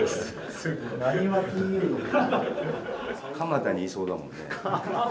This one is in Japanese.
蒲田にいそうだもんね。